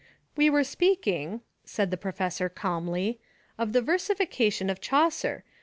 "We were speaking," said the professor calmly, "of the versification of Chaucer.